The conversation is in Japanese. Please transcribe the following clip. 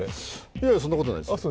いやいや、そんなことないです。